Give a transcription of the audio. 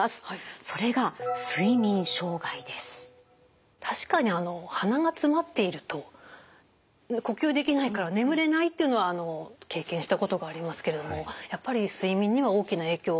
それが確かに鼻がつまっていると呼吸できないから眠れないっていうのは経験したことがありますけれどもやっぱり睡眠には大きな影響を与えるんですね。